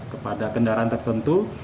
kepada kendaraan tertentu